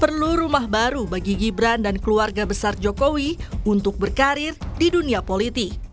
perlu rumah baru bagi gibran dan keluarga besar jokowi untuk berkarir di dunia politik